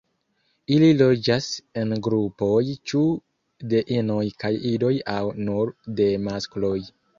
Ili loĝas en grupoj ĉu de inoj kaj idoj aŭ nur de maskloj.